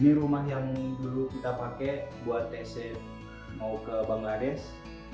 di rumah yang dulu kita pakai buat tc mau ke bangladesh